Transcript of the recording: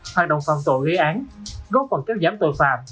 hoạt động phạm tội gây án góp phần kéo giảm tội phạm